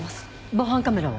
防犯カメラは？